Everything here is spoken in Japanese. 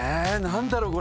何だろう？